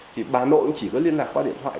thì bà nội cũng chỉ có liên lạc qua điện thoại